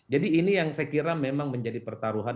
jadi ini yang saya kira memang menjadi pertaruhan